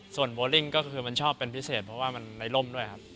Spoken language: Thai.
ส่วนโบลิ่งก็คือมันชอบเป็นพิเศษเพราะว่ามันในร่มด้วยครับ